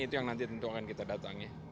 itu yang nanti tentu kita datang